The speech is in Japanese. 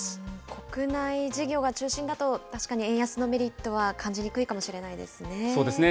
国内事業が中心だと、確かに円安のメリットは感じにくいかもそうですね。